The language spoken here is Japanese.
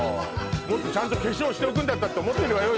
もっとちゃんと化粧しておくんだったって思ってるわよ